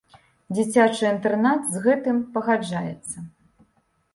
Дзіцячы інтэрнат з гэтым пагаджаецца.